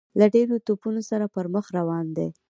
له ډیرو توپونو سره پر مخ روان دی.